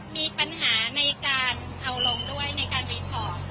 มีปัญหาในการเอาลงด้วยในการวิเคราะห์